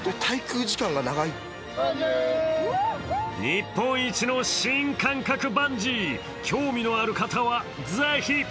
日本一の新感覚バンジー興味のある方は、是非！